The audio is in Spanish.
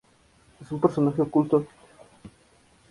Es Un Personaje Oculto.